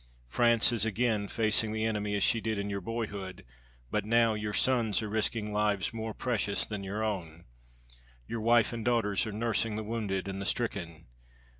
France is again facing the enemy as she did in your boyhood, but now your sons are risking lives more precious than your own. Your wife and daughters are nursing the wounded and the stricken.